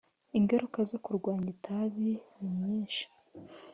Ingaruka zo kunywa itabi ni nyinshi